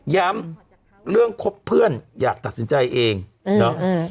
ย้ำเรื่องคบเพื่อนอยากตัดสินใจเองเนาะ